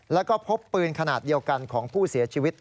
แล้วก็พบปืนขนาดเดียวกันของผู้เสียชีวิต